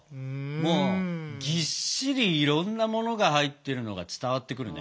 もうぎっしりいろんなものが入ってるのが伝わってくるね。